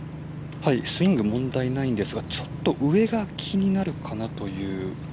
スイング問題ないんですがちょっと上が気になるかなという。